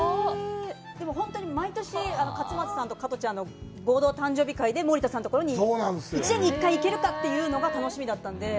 でも本当に毎年勝俣さんと加トちゃんの合同誕生日会で森田さんところに１年に１回、行けるかどうかというのが楽しみだったので。